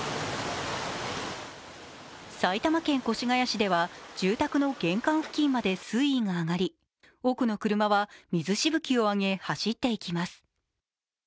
埼玉県川越市では住宅の玄関付近まで水位が上がり奥の車は水しぶきを上げ走って行きます。